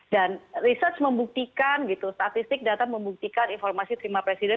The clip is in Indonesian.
research membuktikan gitu statistik data membuktikan informasi terima presiden